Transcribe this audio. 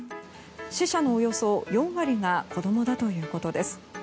死者のおよそ４割が子供だということです。